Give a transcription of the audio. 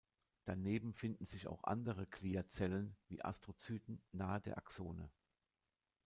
Daneben finden sich auch andere Gliazellen wie Astrozyten nahe der Axone.